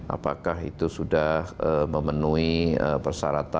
apakah itu sudah memenuhi persyaratan